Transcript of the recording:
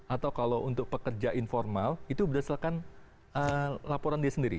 atau kalau untuk pekerja informal itu berdasarkan laporan dia sendiri